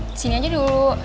disini aja dulu